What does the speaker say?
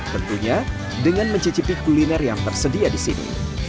tentunya dengan mencicipi kuliner yang tersedia di sini